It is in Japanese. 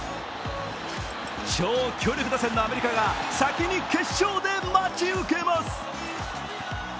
超強力打線のアメリカが先に決勝で待ち受けます。